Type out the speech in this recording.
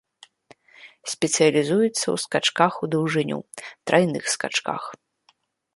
Спецыялізуецца ў скачках ў даўжыню, трайных скачках.